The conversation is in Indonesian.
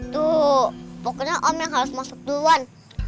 tuh pokoknya om yang harus masuk duluan